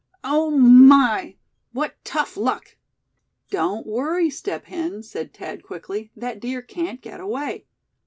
oh, my! what tough luck!" "Don't worry, Step Hen," said Thad, quickly; "that deer can't get away.